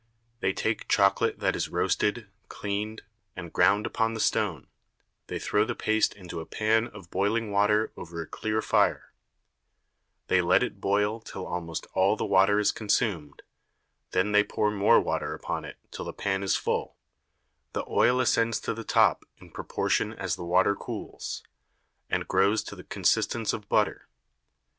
They take Chocolate that is roasted, cleaned, and ground upon the Stone, they throw the Paste into a Pan of boiling Water over a clear Fire; they let it boil till almost all the Water is consumed, then they pour more Water upon it till the Pan is full; the Oil ascends to the Top in proportion as the Water cools, and grows to the Consistence of Butter.